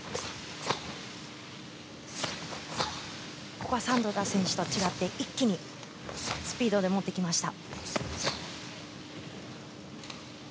ここはサンドラ選手とは違って一気にスピードで持ってきました。